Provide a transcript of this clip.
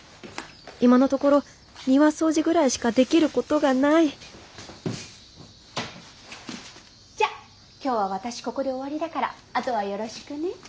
今のところ庭掃除ぐらいしかできることがないじゃあ今日は私ここで終わりだからあとはよろしくね。